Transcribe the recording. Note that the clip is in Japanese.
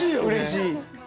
うれしい。